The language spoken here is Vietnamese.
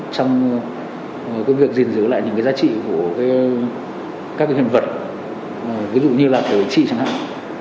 trong việc gìn giữ lại những giá trị của các hình vật ví dụ như là thẻ cử tri chẳng hạn